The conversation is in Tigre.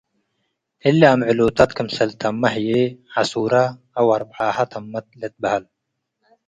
እሊ አምዕሎታት ክምሰል ተመ ህዬ ዐሱረ አው አርበዓሀ ተመት ልትበሀል ።